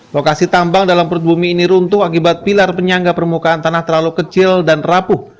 lokasi tambang dalam perut bumi ini runtuh akibat pilar penyangga permukaan tanah terlalu kecil dan rapuh